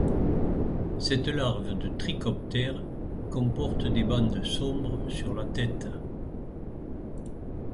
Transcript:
Cette larve de trichoptère comporte des bandes sombres sur la tête.